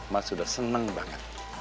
mas sudah seneng banget